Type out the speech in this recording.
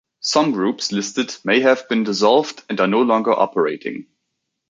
Some groups listed may have been dissolved and are no longer operating.